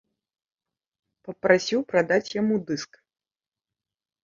Папрасіў прадаць яму дыск.